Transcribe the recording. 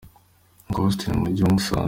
Uncle Austin mu mujyi wa Musanze.